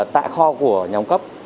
tại kho của nhà ông cấp